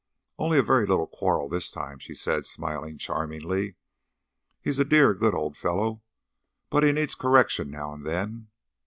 "Only a very little quarrel this time," she said, smiling charmingly. "He is a dear, good old fellow, but he needs correction now and then."